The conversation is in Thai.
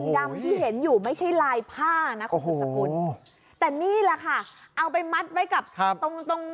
ดำที่เห็นอยู่ไม่ใช่ลายผ้านะคุณสุดสกุลแต่นี่แหละค่ะเอาไปมัดไว้กับตรงตรง